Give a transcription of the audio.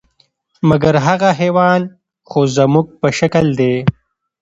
مګر هغه حیوان خو زموږ په شکل دی،